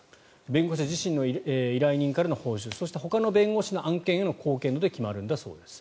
弁護士自身の依頼人からの報酬そして、ほかの弁護士の案件への貢献度で決まるそうです。